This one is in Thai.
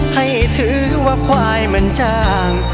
ให้ถือว่าควายมันจาง